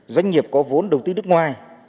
doanh nghiệp có vốn đầu tư nước ngoài